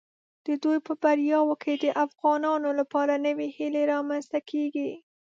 د دوی په بریاوو کې د افغانانو لپاره نوې هیله رامنځته کیږي.